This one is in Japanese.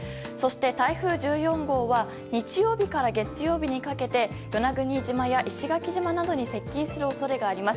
台風１４号は日曜日から月曜日にかけて与那国島や石垣島などに接近する恐れがあります。